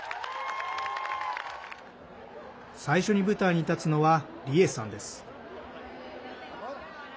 最初に舞台に立つのは梨江さんです。